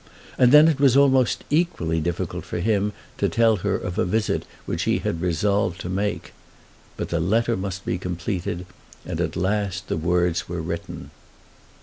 And then it was almost equally difficult for him to tell her of a visit which he had resolved to make. But the letter must be completed, and at last the words were written.